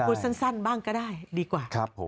พูดสั้นบ้างก็ได้ดีกว่า